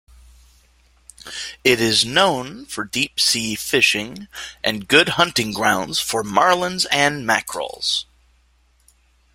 It is known for deep-sea fishing and good hunting grounds for marlins and mackerels.